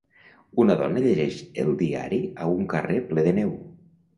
Una dona llegeix el diari a un carrer ple de neu.